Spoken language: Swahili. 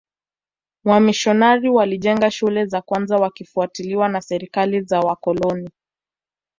Wamisionari walijenga shule za kwanza wakifuatiliwa na serikali za wakoloni